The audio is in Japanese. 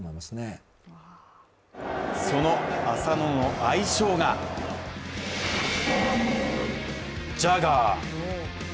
その浅野の愛称が、ジャガー。